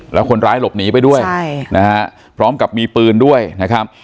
แล้วคนร้ายหลบหนีไปด้วยใช่นะฮะพร้อมกับมีปืนด้วยนะครับ